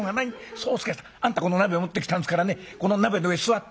宗助さんあんたこの鍋を持ってきたんですからねこの鍋の上に座って」。